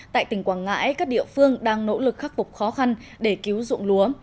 tại tỉnh quảng ngãi các địa phương đang nỗ lực khắc phục khó khăn để cứu dụng lúa